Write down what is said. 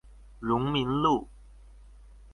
榮民路